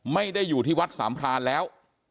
ไม่ได้อยู่ที่วัดสามพรานแล้ว